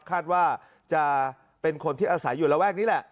คาดว่าจะเป็นคนที่อาศัยอยู่ระแวกนี้แหละ